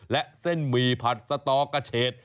และเส้นหมี่ผัดสต๊อกเกอร์เชษ